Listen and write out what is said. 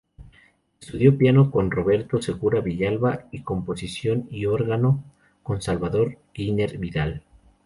Estudió piano con Roberto Segura Villalba, y composición y órgano con Salvador Giner Vidal.